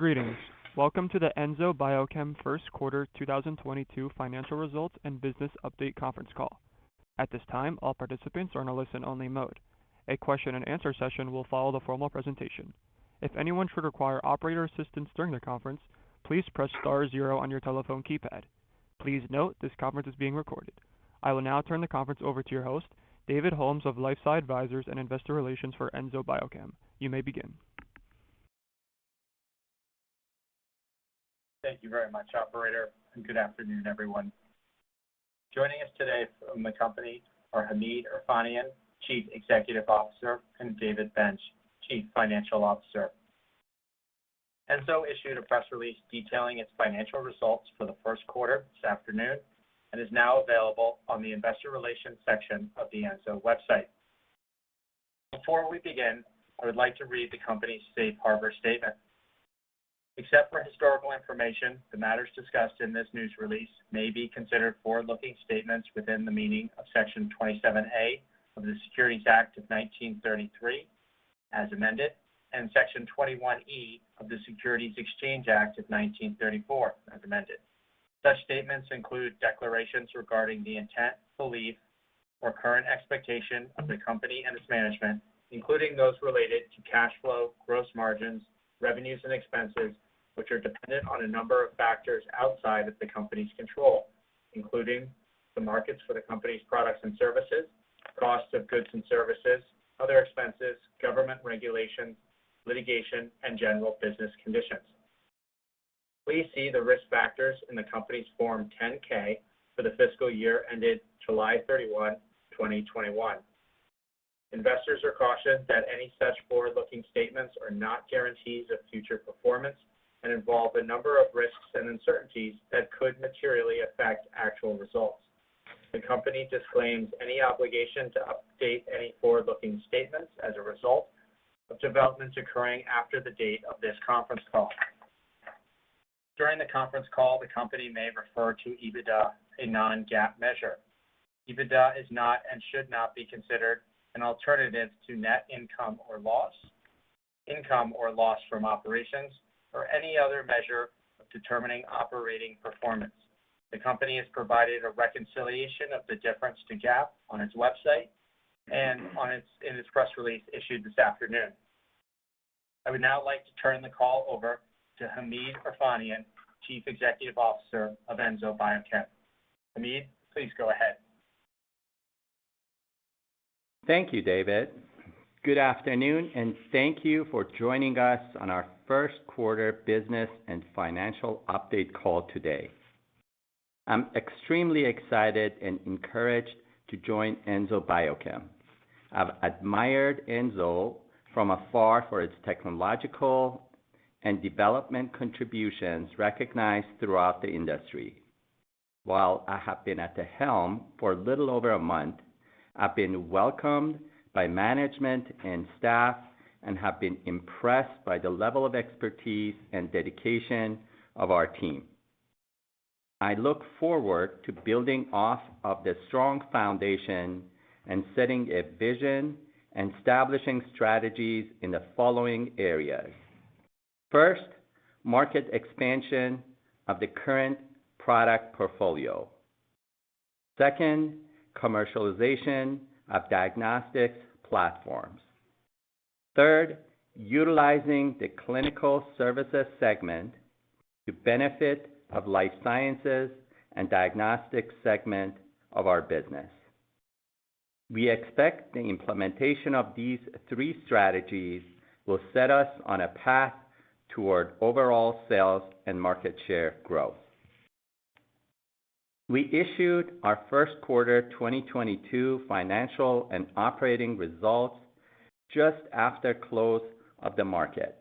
Greetings. Welcome to the Enzo Biochem First Quarter 2022 Financial Results and Business Update Conference Call. At this time, all participants are in a listen-only mode. A question and answer session will follow the formal presentation. If anyone should require operator assistance during the conference, please press star zero on your telephone keypad. Please note this conference is being recorded. I will now turn the conference over to your host, David Holmes of LifeSci Advisors and Investor Relations for Enzo Biochem. You may begin. Thank you very much, operator, and good afternoon, everyone. Joining us today from the company are Hamid Erfanian, Chief Executive Officer, and David Bench, Chief Financial Officer. Enzo issued a press release detailing its financial results for the first quarter this afternoon and is now available on the investor relations section of the Enzo website. Before we begin, I would like to read the company's safe harbor statement. Except for historical information, the matters discussed in this news release may be considered forward-looking statements within the meaning of Section 27A of the Securities Act of 1933 as amended, and Section 21E of the Securities Exchange Act of 1934 as amended. Such statements include declarations regarding the intent, belief, or current expectation of the company and its management, including those related to cash flow, gross margins, revenues, and expenses, which are dependent on a number of factors outside of the company's control, including the markets for the company's products and services, costs of goods and services, other expenses, government regulation, litigation, and general business conditions. Please see the risk factors in the company's Form 10-K for the fiscal year ended July 31, 2021. Investors are cautioned that any such forward-looking statements are not guarantees of future performance and involve a number of risks and uncertainties that could materially affect actual results. The company disclaims any obligation to update any forward-looking statements as a result of developments occurring after the date of this conference call. During the conference call, the company may refer to EBITDA, a non-GAAP measure. EBITDA is not and should not be considered an alternative to net income or loss, income or loss from operations or any other measure of determining operating performance. The company has provided a reconciliation of the difference to GAAP on its website and in its press release issued this afternoon. I would now like to turn the call over to Hamid Erfanian, Chief Executive Officer of Enzo Biochem. Hamid, please go ahead. Thank you, David. Good afternoon, and thank you for joining us on our first quarter business and financial update call today. I'm extremely excited and encouraged to join Enzo Biochem. I've admired Enzo from afar for its technological and development contributions recognized throughout the industry. While I have been at the helm for a little over a month, I've been welcomed by management and staff and have been impressed by the level of expertise and dedication of our team. I look forward to building off of the strong foundation and setting a vision and establishing strategies in the following areas. First, market expansion of the current product portfolio. Second, commercialization of diagnostics platforms. Third, utilizing the clinical services segment to benefit of life sciences and diagnostics segment of our business. We expect the implementation of these three strategies will set us on a path toward overall sales and market share growth. We issued our first quarter 2022 financial and operating results just after close of the market.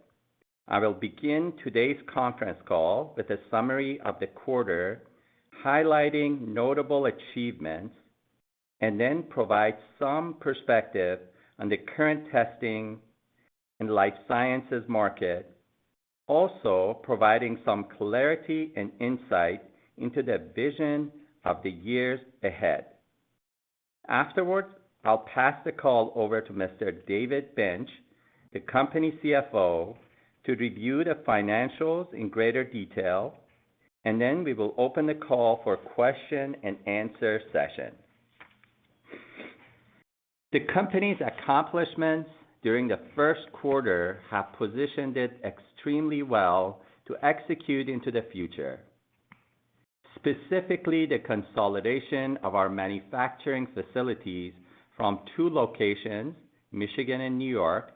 I will begin today's conference call with a summary of the quarter, highlighting notable achievements, and then provide some perspective on the current testing in life sciences market, also providing some clarity and insight into the vision of the years ahead. Afterwards, I'll pass the call over to Mr. David Bench, the company CFO, to review the financials in greater detail, and then we will open the call for question and answer session. The company's accomplishments during the first quarter have positioned it extremely well to execute into the future. Specifically, the consolidation of our manufacturing facilities from two locations, Michigan and New York,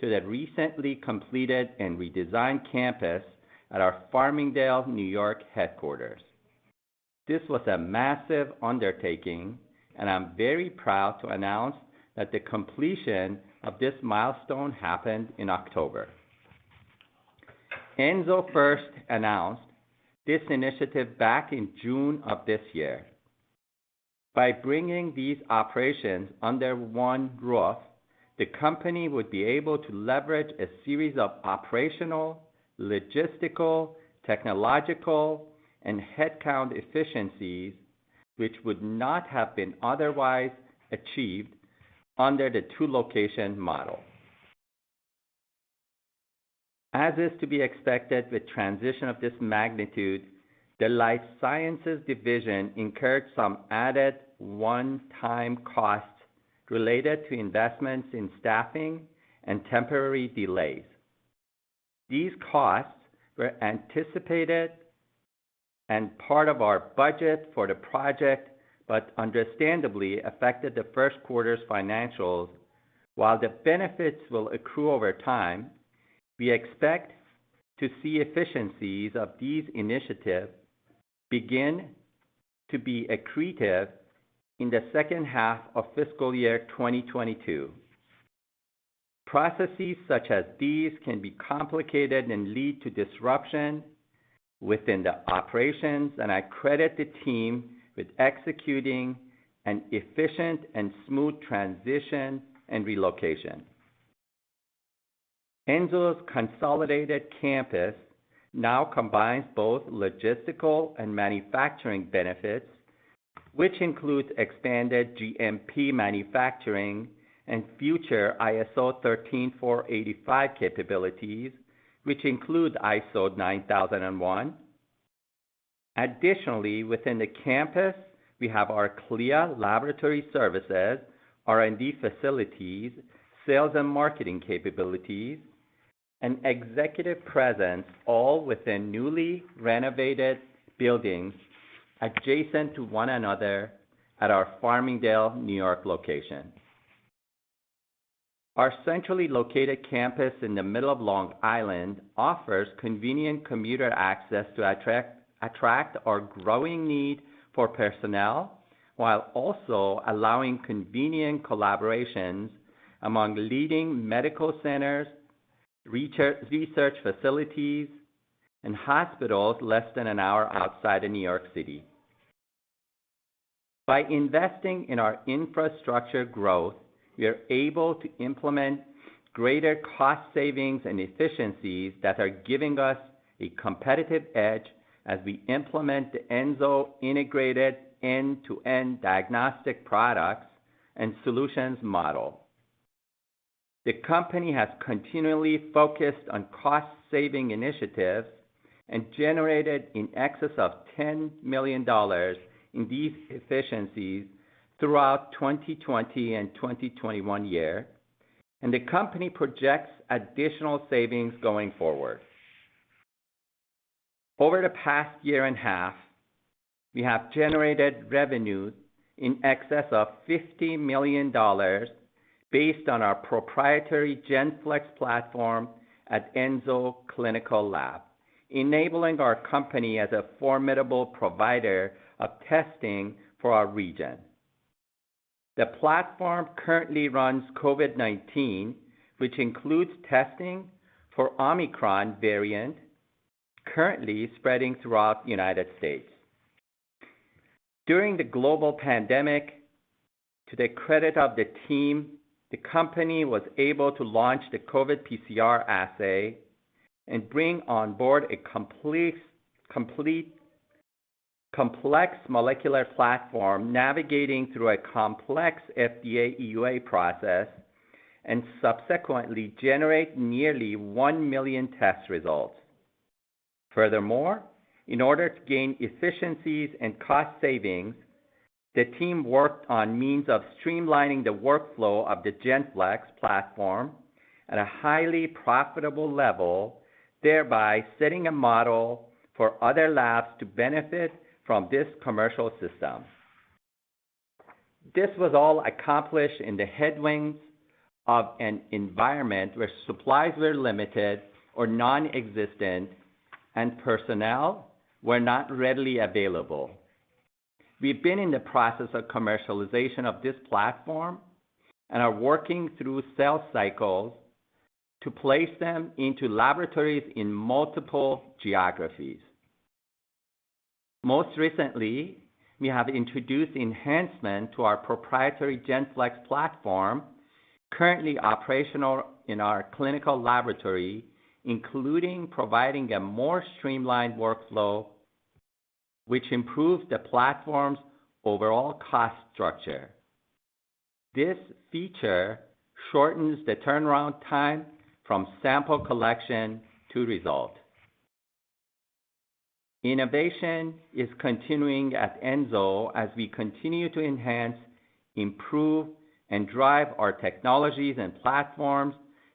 to the recently completed and redesigned campus at our Farmingdale, New York headquarters. This was a massive undertaking, and I'm very proud to announce that the completion of this milestone happened in October. Enzo first announced this initiative back in June of this year. By bringing these operations under one roof, the company would be able to leverage a series of operational, logistical, technological, and headcount efficiencies which would not have been otherwise achieved under the two-location model. As is to be expected with transition of this magnitude, the Life Sciences incurred some added one-time costs related to investments in staffing and temporary delays. These costs were anticipated and part of our budget for the project, but understandably affected the first quarter's financials, while the benefits will accrue over time. We expect to see efficiencies of these initiatives begin to be accretive in the second half of fiscal year 2022. Processes such as these can be complicated and lead to disruption within the operations, and I credit the team with executing an efficient and smooth transition and relocation. Enzo's consolidated campus now combines both logistical and manufacturing benefits, which includes expanded GMP manufacturing and future ISO 13485 capabilities, which include ISO 9001. Additionally, within the campus, we have our CLIA laboratory services, R&D facilities, sales and marketing capabilities, and executive presence all within newly renovated buildings adjacent to one another at our Farmingdale, N.Y., location. Our centrally located campus in the middle of Long Island offers convenient commuter access to attract our growing need for personnel, while also allowing convenient collaborations among leading medical centers, research facilities, and hospitals less than an hour outside of New York City. By investing in our infrastructure growth, we are able to implement greater cost savings and efficiencies that are giving us a competitive edge as we implement the Enzo integrated end-to-end diagnostic products and solutions model. The company has continually focused on cost-saving initiatives and generated in excess of $10 million in these efficiencies throughout 2020 and 2021, and the company projects additional savings going forward. Over the past year and a half, we have generated revenues in excess of $50 million based on our proprietary GenFlex platform at Enzo Clinical Labs, enabling our company as a formidable provider of testing for our region. The platform currently runs COVID-19, which includes testing for Omicron variant currently spreading throughout the United States. During the global pandemic, to the credit of the team, the company was able to launch the COVID PCR assay and bring on board a complete complex molecular platform navigating through a complex FDA EUA process and subsequently generate nearly 1 million test results. Furthermore, in order to gain efficiencies and cost savings, the team worked on means of streamlining the workflow of the GenFlex platform at a highly profitable level, thereby setting a model for other labs to benefit from this commercial system. This was all accomplished in the headwinds of an environment where supplies were limited or non-existent and personnel were not readily available. We've been in the process of commercialization of this platform and are working through sales cycles to place them into laboratories in multiple geographies. Most recently, we have introduced enhancements to our proprietary GenFlex platform currently operational in our clinical laboratory, including providing a more streamlined workflow which improves the platform's overall cost structure. This feature shortens the turnaround time from sample collection to result. Innovation is continuing at Enzo as we continue to enhance, improve, and drive our technologies and platforms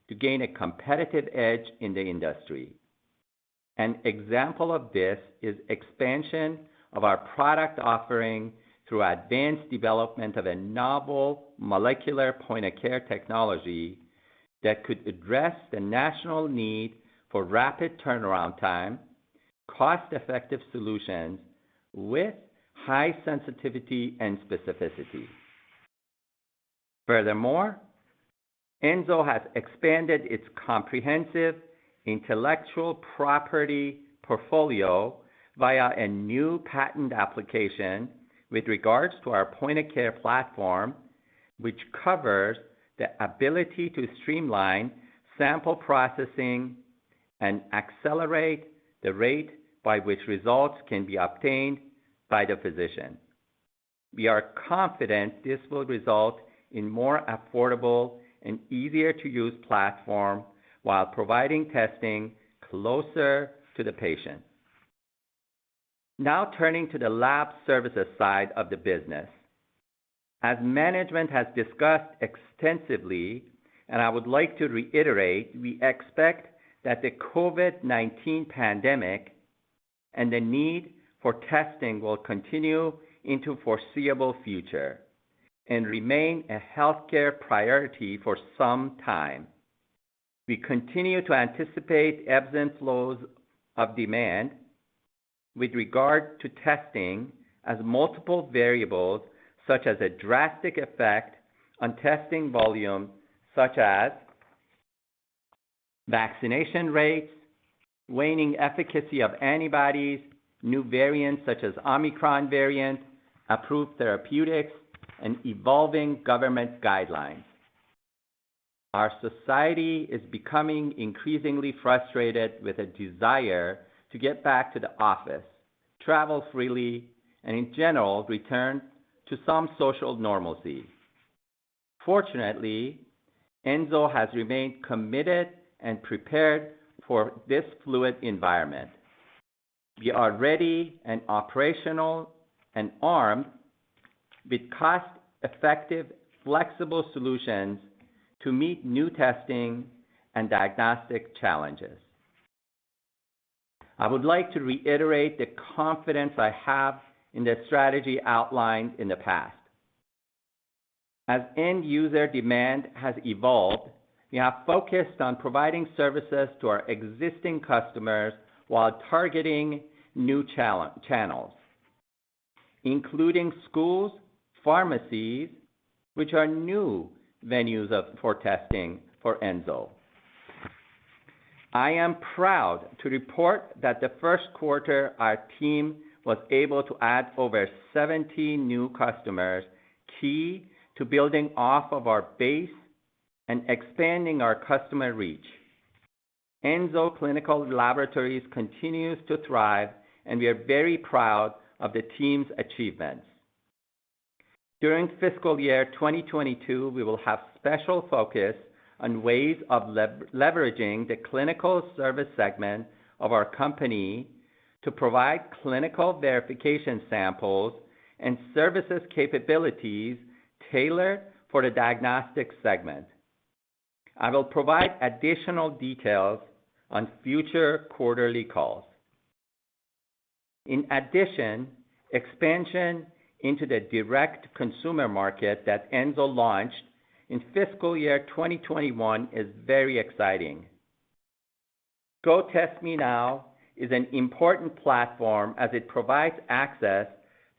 to gain a competitive edge in the industry. An example of this is expansion of our product offering through advanced development of a novel molecular point-of-care technology that could address the national need for rapid turnaround time, cost-effective solutions with high sensitivity and specificity. Furthermore, Enzo has expanded its comprehensive intellectual property portfolio via a new patent application with regards to our point-of-care platform, which covers the ability to streamline sample processing and accelerate the rate by which results can be obtained by the physician. We are confident this will result in more affordable and easier to use platform while providing testing closer to the patient. Now turning to the Lab Services side of the business. As management has discussed extensively, and I would like to reiterate, we expect that the COVID-19 pandemic and the need for testing will continue into foreseeable future and remain a healthcare priority for some time. We continue to anticipate ebbs and flows of demand with regard to testing as multiple variables, such as a drastic effect on testing volume, such as vaccination rates, waning efficacy of antibodies, new variants such as Omicron variant, approved therapeutics, and evolving government guidelines. Our society is becoming increasingly frustrated with a desire to get back to the office, travel freely, and in general, return to some social normalcy. Fortunately, Enzo has remained committed and prepared for this fluid environment. We are ready and operational and armed with cost-effective, flexible solutions to meet new testing and diagnostic challenges. I would like to reiterate the confidence I have in the strategy outlined in the past. As end user demand has evolved, we have focused on providing services to our existing customers while targeting new channels, including schools, pharmacies, which are new venues for testing for Enzo. I am proud to report that the first quarter, our team was able to add over 70 new customers, key to building off of our base and expanding our customer reach. Enzo Clinical Laboratories continues to thrive, and we are very proud of the team's achievements. During fiscal year 2022, we will have special focus on ways of leveraging the Clinical Service segment of our company to provide clinical verification samples and services capabilities tailored for the diagnostic segment. I will provide additional details on future quarterly calls. In addition, expansion into the direct consumer market that Enzo launched in fiscal year 2021 is very exciting. GoTestMeNow is an important platform as it provides access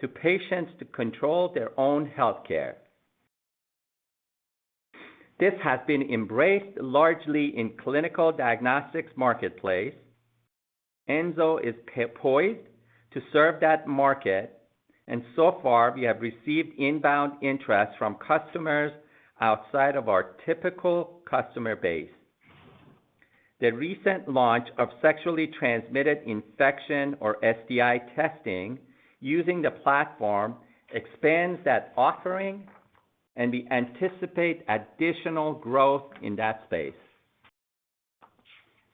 to patients to control their own healthcare. This has been embraced largely in clinical diagnostics marketplace. Enzo is poised to serve that market, and so far, we have received inbound interest from customers outside of our typical customer base. The recent launch of sexually transmitted infection or STI testing using the platform expands that offering, and we anticipate additional growth in that space.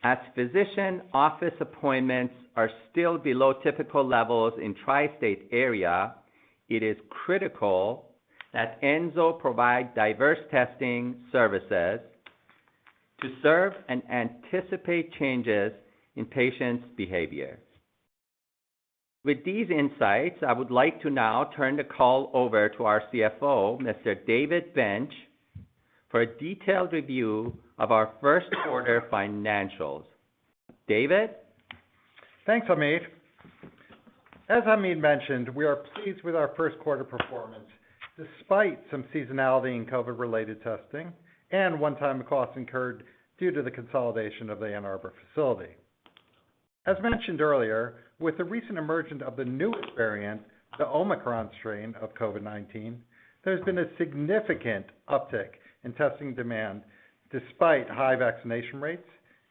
As physician office appointments are still below typical levels in tri-state area, it is critical that Enzo provide diverse testing services to serve and anticipate changes in patients' behavior. With these insights, I would like to now turn the call over to our CFO, Mr. David Bench, for a detailed review of our first quarter financials. David? Thanks, Hamid. As Hamid mentioned, we are pleased with our first quarter performance, despite some seasonality in COVID-related testing and one-time costs incurred due to the consolidation of the Ann Arbor facility. As mentioned earlier, with the recent emergence of the newest variant, the Omicron strain of COVID-19, there's been a significant uptick in testing demand despite high vaccination rates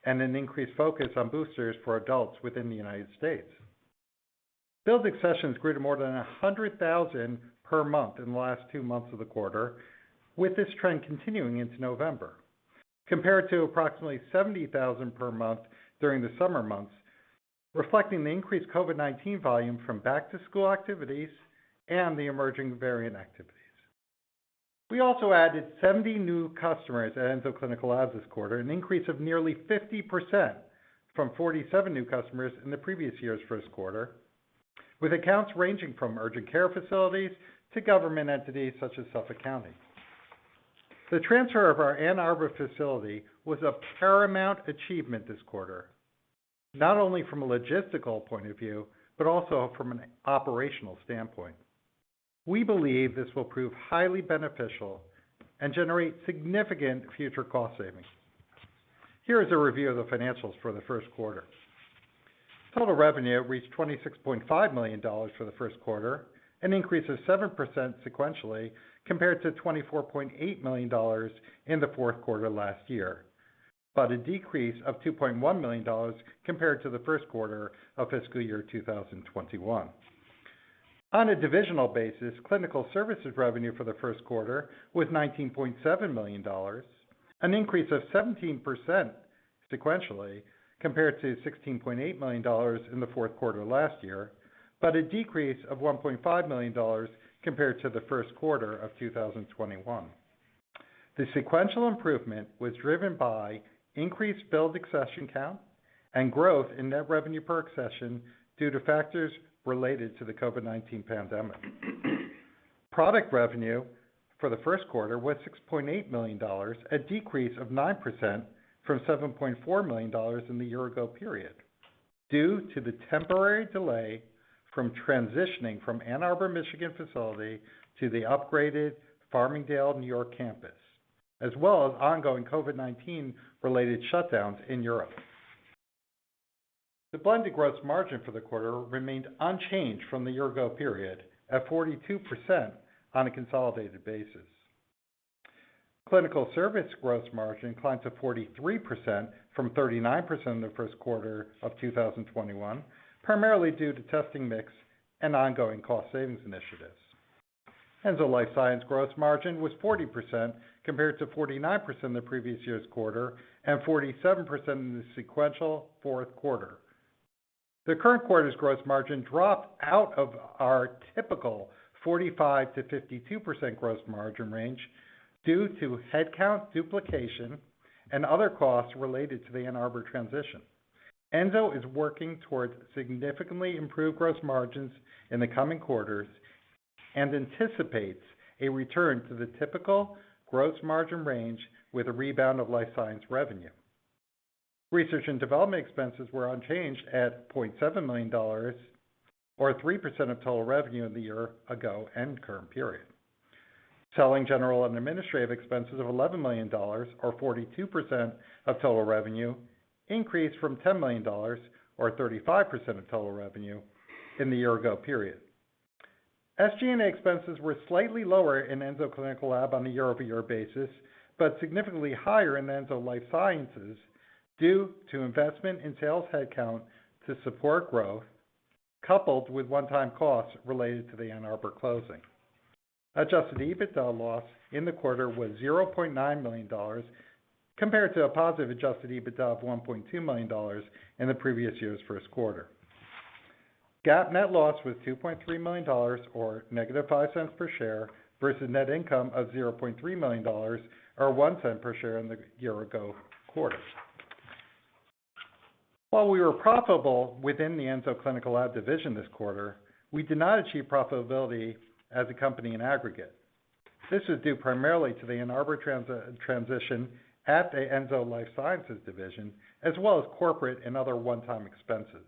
and an increased focus on boosters for adults within the United States. Billed accessions grew to more than 100,000 per month in the last two months of the quarter, with this trend continuing into November, compared to approximately 70,000 per month during the summer months, reflecting the increased COVID-19 volume from back-to-school activities and the emerging variant activities. We also added 70 new customers at Enzo Clinical Labs this quarter, an increase of nearly 50% from 47 new customers in the previous year's first quarter, with accounts ranging from urgent care facilities to government entities such as Suffolk County. The transfer of our Ann Arbor facility was a paramount achievement this quarter, not only from a logistical point of view, but also from an operational standpoint. We believe this will prove highly beneficial and generate significant future cost savings. Here is a review of the financials for the first quarter. Total revenue reached $26.5 million for the first quarter, an increase of 7% sequentially compared to $24.8 million in the fourth quarter last year, but a decrease of $2.1 million compared to the first quarter of fiscal year 2021. On a divisional basis, clinical services revenue for the first quarter was $19.7 million, an increase of 17% sequentially compared to $16.8 million in the fourth quarter last year, but a decrease of $1.5 million compared to the first quarter of 2021. The sequential improvement was driven by increased billed accession count and growth in net revenue per accession due to factors related to the COVID-19 pandemic. Product revenue for the first quarter was $6.8 million, a decrease of 9% from $7.4 million in the year ago period, due to the temporary delay from transitioning from Ann Arbor, Michigan facility to the upgraded Farmingdale, New York campus, as well as ongoing COVID-19 related shutdowns in Europe. The blended gross margin for the quarter remained unchanged from the year ago period at 42% on a consolidated basis. Clinical service gross margin climbed to 43% from 39% in the first quarter of 2021, primarily due to testing mix and ongoing cost savings initiatives. Enzo Life Sciences gross margin was 40% compared to 49% in the previous year's quarter and 47% in the sequential fourth quarter. The current quarter's gross margin dropped out of our typical 45%-52% gross margin range due to headcount duplication and other costs related to the Ann Arbor transition. Enzo is working towards significantly improved gross margins in the coming quarters and anticipates a return to the typical gross margin range with a rebound of Life Sciences revenue. Research and development expenses were unchanged at $0.7 million or 3% of total revenue in the year-ago and current period. Selling, general, and administrative expenses of $11 million or 42% of total revenue increased from $10 million or 35% of total revenue in the year-ago period. SG&A expenses were slightly lower in Enzo Clinical Labs on a year-over-year basis, but significantly higher in Enzo Life Sciences due to investment in sales headcount to support growth, coupled with one-time costs related to the Ann Arbor closing. Adjusted EBITDA loss in the quarter was $0.9 million compared to a positive adjusted EBITDA of $1.2 million in the previous year's first quarter. GAAP net loss was $2.3 million or -$0.05 per share versus net income of $0.3 million or $0.01 per share in the year-ago quarter. While we were profitable within the Enzo Clinical Labs division this quarter, we did not achieve profitability as a company in aggregate. This was due primarily to the Ann Arbor transition at the Enzo Life Sciences division, as well as corporate and other one-time expenses.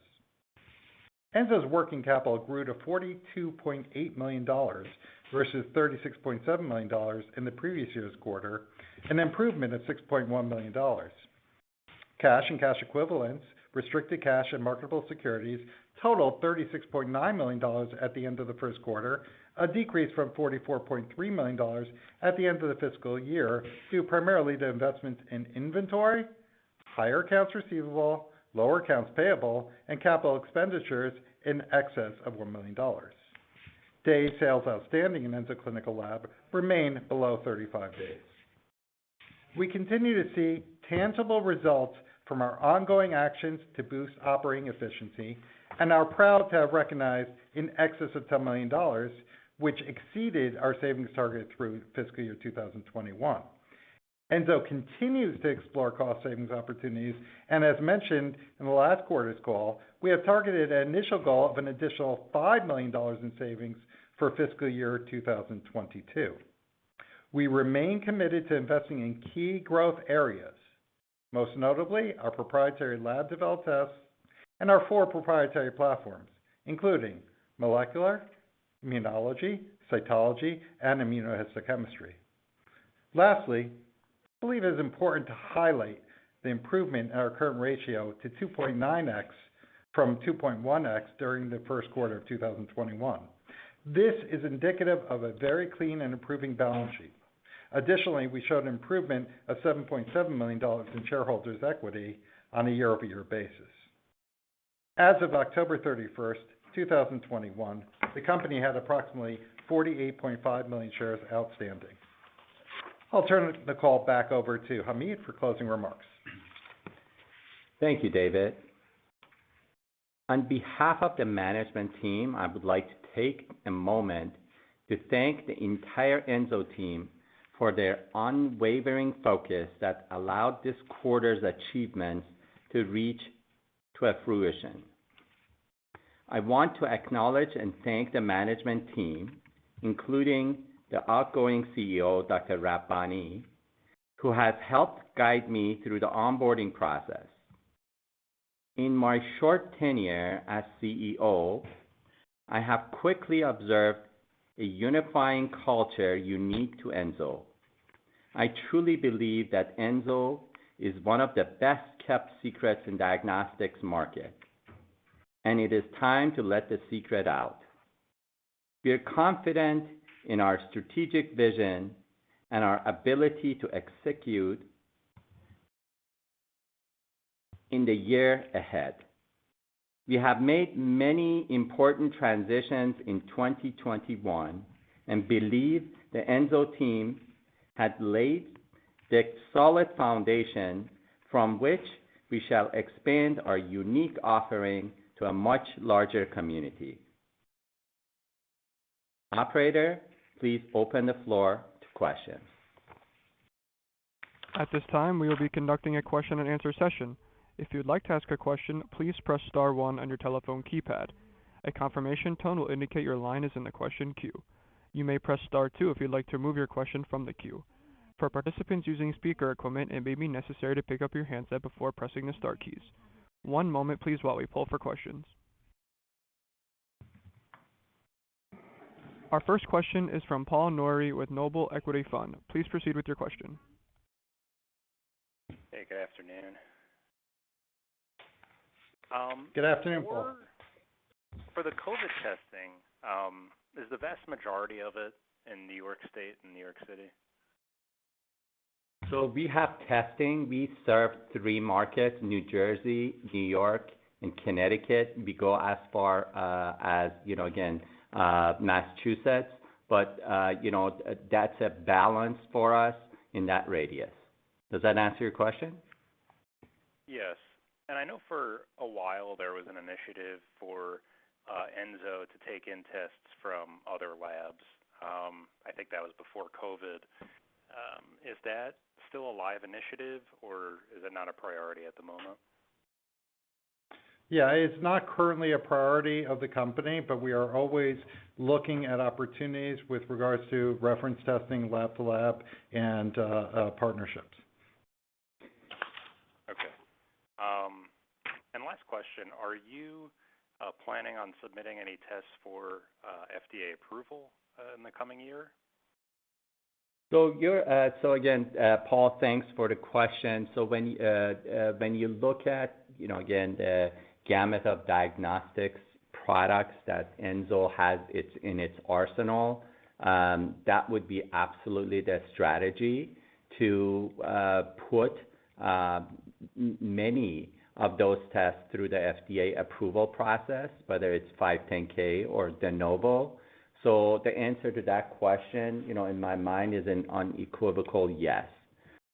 Enzo's working capital grew to $42.8 million versus $36.7 million in the previous year's quarter, an improvement of $6.1 million. Cash and cash equivalents, restricted cash, and marketable securities totaled $36.9 million at the end of the first quarter, a decrease from $44.3 million at the end of the fiscal year, due primarily to investments in inventory, higher accounts receivable, lower accounts payable, and capital expenditures in excess of $1 million. Days sales outstanding in Enzo Clinical Labs remain below 35 days. We continue to see tangible results from our ongoing actions to boost operating efficiency and are proud to have recognized in excess of $10 million, which exceeded our savings target through fiscal year 2021. Enzo continues to explore cost savings opportunities, and as mentioned in last quarter's call, we have targeted an initial goal of an additional $5 million in savings for fiscal year 2022. We remain committed to investing in key growth areas, most notably our proprietary lab developed tests and our four proprietary platforms, including molecular, immunology, cytology, and immunohistochemistry. Lastly, I believe it is important to highlight the improvement in our current ratio to 2.9x from 2.1x during the first quarter of 2021. This is indicative of a very clean and improving balance sheet. Additionally, we showed an improvement of $7.7 million in shareholders' equity on a year-over-year basis. As of October 31st, 2021, the company had approximately 48.5 million shares outstanding. I'll turn the call back over to Hamid for closing remarks. Thank you, David. On behalf of the management team, I would like to take a moment to thank the entire Enzo team for their unwavering focus that allowed this quarter's achievements to come to fruition. I want to acknowledge and thank the management team, including the outgoing CEO, Dr. Rabbani, who has helped guide me through the onboarding process. In my short tenure as CEO, I have quickly observed a unifying culture unique to Enzo. I truly believe that Enzo is one of the best kept secrets in diagnostics market, and it is time to let the secret out. We are confident in our strategic vision and our ability to execute in the year ahead. We have made many important transitions in 2021 and believe the Enzo team has laid the solid foundation from which we shall expand our unique offering to a much larger community. Operator, please open the floor to questions. At this time, we will be conducting a question and answer session. If you'd like to ask a question, please press star one on your telephone keypad. A confirmation tone will indicate your line is in the question queue. You may press star two if you'd like to remove your question from the queue. For participants using speaker equipment, it may be necessary to pick up your handset before pressing the star keys. One moment please while we pull for questions. Our first question is from Paul Nouri with Noble Equity Fund. Please proceed with your question. Hey, good afternoon. Good afternoon, Paul. For the COVID testing, is the vast majority of it in New York State and New York City? We have testing. We serve three markets, New Jersey, New York and Connecticut. We go as far as, you know, again, Massachusetts. You know, that's a balance for us in that radius. Does that answer your question? Yes. I know for a while there was an initiative for Enzo to take in tests from other labs. I think that was before COVID. Is that still a live initiative or is it not a priority at the moment? Yeah, it's not currently a priority of the company, but we are always looking at opportunities with regards to reference testing, lab to lab and, partnerships. Okay. Last question, are you planning on submitting any tests for FDA approval in the coming year? Again, Paul, thanks for the question. When you look at, you know, again, the gamut of diagnostics products that Enzo has in its arsenal, that would be absolutely the strategy to put many of those tests through the FDA approval process, whether it's 510(k) or de Novo. The answer to that question, you know, in my mind is an unequivocal yes.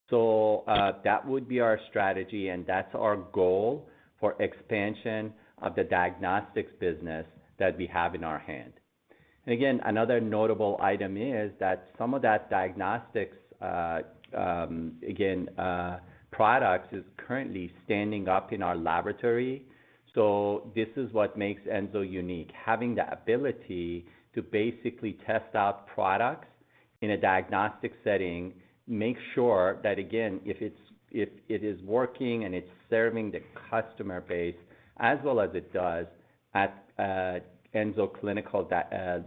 That would be our strategy and that's our goal for expansion of the diagnostics business that we have on hand. Another notable item is that some of that diagnostics products is currently standing up in our laboratory. This is what makes Enzo unique. Having the ability to basically test out products in a diagnostic setting, make sure that again, if it's, if it is working and it's serving the customer base as well as it does at Enzo Clinical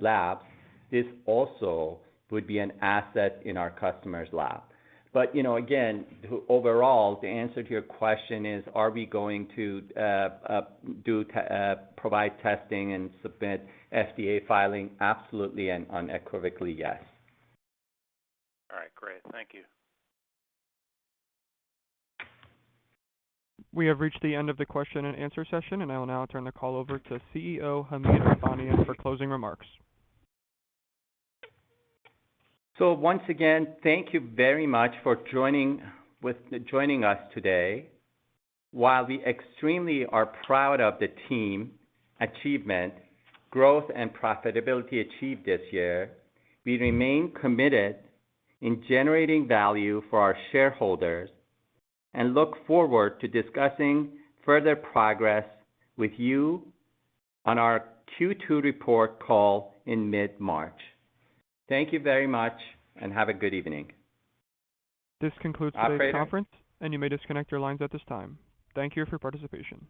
Labs, this also would be an asset in our customer's lab. You know, again, too, overall, the answer to your question is, are we going to provide testing and submit FDA filing? Absolutely and unequivocally yes. All right, great. Thank you. We have reached the end of the question and answer session, and I will now turn the call over to CEO Hamid Erfanian for closing remarks. Once again, thank you very much for joining us today. While we are extremely proud of the team achievement, growth and profitability achieved this year, we remain committed to generating value for our shareholders and look forward to discussing further progress with you on our Q2 report call in mid-March. Thank you very much and have a good evening. This concludes- Operator. ...today's conference, and you may disconnect your lines at this time. Thank you for your participation.